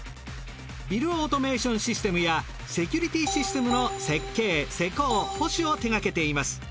ビルオートメーションシステムやセキュリティーシステムの設計施工保守を手がけています。